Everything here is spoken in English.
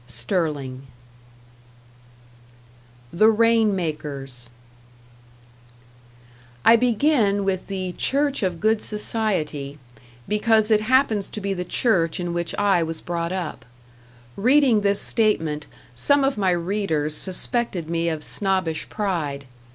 Sterling. #The Rain Makers# I begin with the Church of Good Society, because it happens to be the Church in which I was brought up. Heading this statement, some of my readers suspected me of snobbish pride.